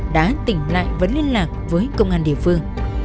đã tỉnh lại vẫn liên lạc với công an địa phương